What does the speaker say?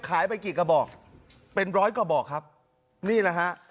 ไปกี่กระบอกเป็นร้อยกระบอกครับนี่แหละฮะ